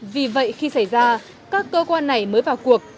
vì vậy khi xảy ra các cơ quan này mới vào cuộc